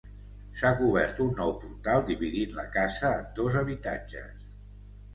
S'ha cobert un nou portal dividint la casa en dos habitatges.